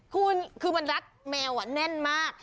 คุณคือมันรัดแมวแน่นมาก